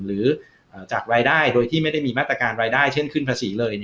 หรือจากรายได้โดยที่ไม่ได้มีมาตรการรายได้เช่นขึ้นภาษีเลย